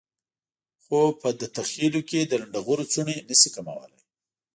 خو په دته خېلو کې د لنډغرو څڼې نشي کمولای.